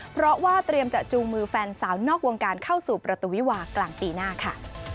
เพราะว่าเตรียมจะจูงมือแฟนสาวนอกวงการเข้าสู่ประตูวิวากลางปีหน้าค่ะ